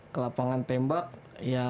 ke lapangan tembak ya